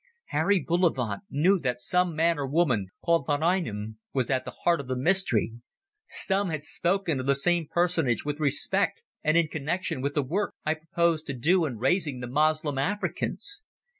Harry Bullivant knew that some man or woman called von Einem was at the heart of the mystery. Stumm had spoken of the same personage with respect and in connection with the work I proposed to do in raising the Moslem Africans.